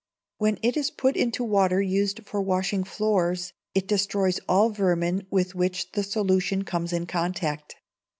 When it is put into water used for washing floors it destroys all vermin with which the solution comes in contact.